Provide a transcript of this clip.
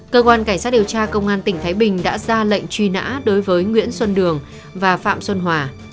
cơ quan cảnh sát điều tra công an tỉnh thái bình đã ra lệnh truy nã đối với nguyễn xuân đường và phạm xuân hòa